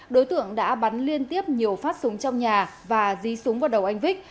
đối tượng đã bắn liên tiếp nhiều phát súng trong nhà và dí súng vào đầu anh vích